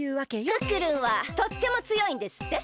クックルンはとってもつよいんですって？